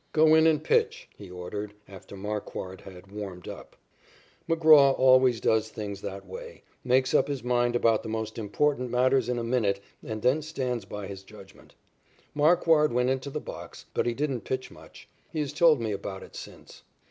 "Go in and pitch," he ordered after Marquard had warmed up. McGraw always does things that way, makes up his mind about the most important matters in a minute and then stands by his judgment. Marquard went into the box, but he didn't pitch much. He has told me about it since.